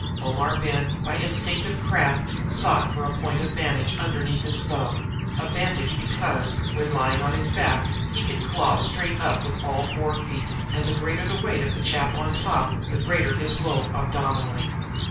Omar Ben, by instinctive craft, sought for a point of vantage underneath his foe a vantage because, when lying on his back, he could claw straight up with all four feet, and the greater the weight of the chap on top, the greater his woe abdominally.